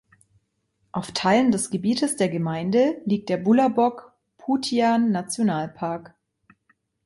Auf Teilen des Gebietes der gemeinde liegt der Bulabog-Putian-Nationalpark.